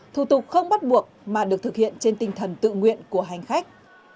thủ tục không bắt buộc mà được thực hiện trên tinh thần tự nguyện của hành khách